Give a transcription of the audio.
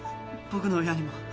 僕の親にも。